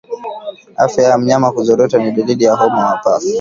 Afya ya mnyama kuzorota ni dalili ya homa ya mapafu